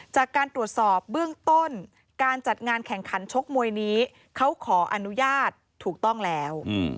จากการตรวจสอบเบื้องต้นการจัดงานแข่งขันชกมวยนี้เขาขออนุญาตถูกต้องแล้ว